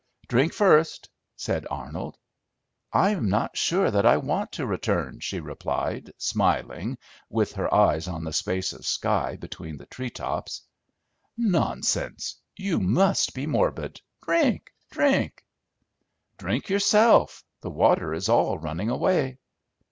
"Drink first," said Arnold. "I'm not sure that I want to return," she replied, smiling, with her eyes on the space of sky between the treetops. "Nonsense, you must be morbid. Drink, drink!" "Drink yourself; the water is all running away!"